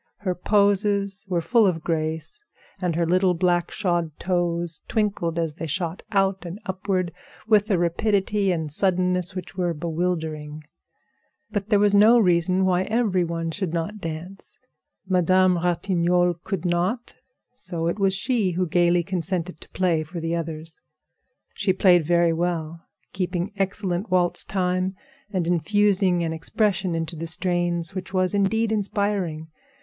Her poses were full of grace, and her little black shod toes twinkled as they shot out and upward with a rapidity and suddenness which were bewildering. But there was no reason why every one should not dance. Madame Ratignolle could not, so it was she who gaily consented to play for the others. She played very well, keeping excellent waltz time and infusing an expression into the strains which was indeed inspiring.